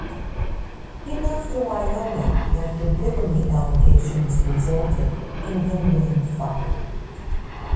He moved to Wyoming after bigamy allegations resulted in him being fired.